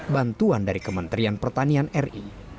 bantuan dari kementerian pertanian ri